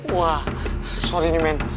wah sorry nih men